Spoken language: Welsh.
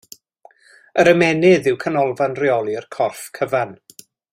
Yr ymennydd yw canolfan reoli'r corff cyfan.